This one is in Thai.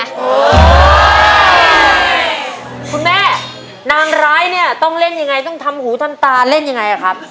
คุณแม่นางร้ายเนี่ยต้องเล่นยังไงต้องทำหูทำตาเล่นยังไงครับ